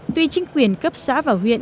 tuy chính quyền cấp xã vào huyện